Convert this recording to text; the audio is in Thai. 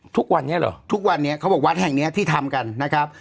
ทุกวันนี้เหรอทุกวันนี้เขาบอกวัดแห่งเนี้ยที่ทำกันนะครับ